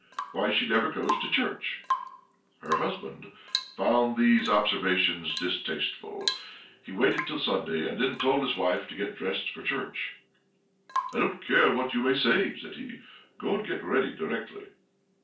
"Why, she never goes to church." Her husband found these observations distasteful. He waited till Sunday, and then told his wife to get dressed for church. "I don't care what you may say," says he. "Go and get ready directly."